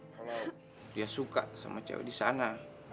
kalau dia suka sama cewek di sana